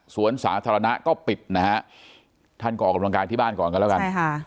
สวนสาธารณะก็ปิดนะฮะท่านก็ออกกำลังการที่บ้านก่อนก็แล้วกัน